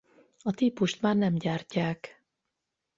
A típust már nem gyártják.